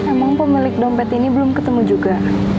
emang pemilik dompet ini belum ketemu juga